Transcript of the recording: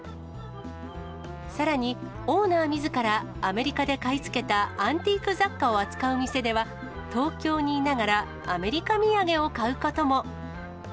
さらに、オーナーみずからアメリカで買い付けたアンティーク雑貨を扱う店では、東京にいながらアメリカ土産を買うことも。